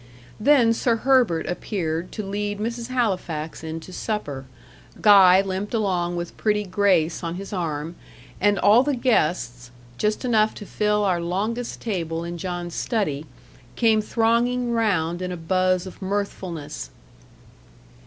Then Sir Herbert appeared to lead Mrs. Halifax in to supper, Guy limped along with pretty Grace on his arm, and all the guests, just enough to fill our longest table in John's study, came thronging round in a buzz of mirthfulness.